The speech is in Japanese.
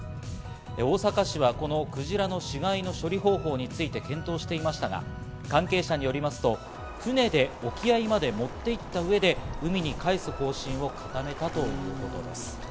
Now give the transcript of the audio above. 大阪市はこのクジラの死骸の処理方法について検討していましたが、関係者によりますと船で沖合まで持って行った上で海に帰す方針を固めたということです。